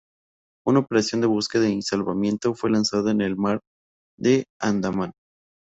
Una operación de búsqueda y salvamento fue lanzada en el Mar de Andamán.